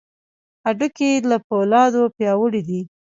هډوکي له فولادو پیاوړي دي.